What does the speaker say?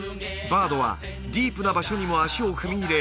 バードはディープな場所にも足を踏み入れ